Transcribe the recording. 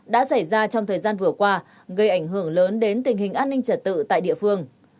đã xảy ra trong thời gian vừa qua gây ảnh hưởng lớn đến tình hình an ninh trật tự tại địa phương